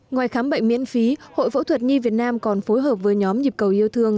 ngoài khám bệnh miễn phí hội phẫu thuật nhi việt nam còn phối hợp với nhóm nhịp cầu yêu thương